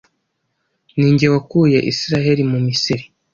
ni jye wakuye israheli mu misiri